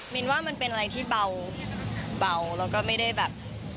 นว่ามันเป็นอะไรที่เบาแล้วก็ไม่ได้แบบ